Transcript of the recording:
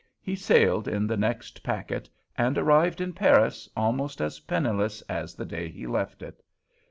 He sailed in the next packet, and arrived in Paris almost as penniless as the day he left it.